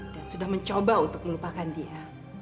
dan sudah mencoba untuk melupakan dia